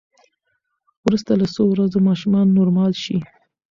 وروسته له څو ورځو ماشومان نورمال شي.